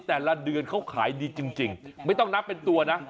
แต่ละเดือนเขาขายดีจริงไม่ต้องนับเป็นตัวนะ